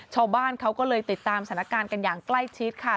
ชาวบ้านเขาก็เลยติดตามสถานการณ์กันอย่างใกล้ชิดค่ะ